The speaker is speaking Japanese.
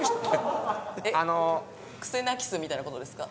えっクセナキスみたいな事ですか？